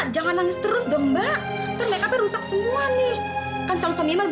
jangan lupa like share dan subscribe channel ini